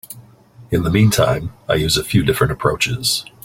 In the meantime, I use a few different approaches.